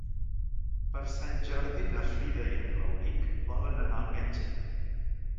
Per Sant Jordi na Frida i en Rauric volen anar al metge.